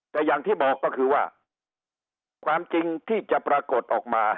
แต่อย่างที่บอกก็คือว่าความจริงที่จะปรากฏออกมา